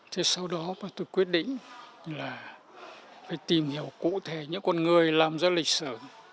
thế sau đó mà tôi quyết định là phải tìm hiểu cụ thể những con người làm ra lịch sử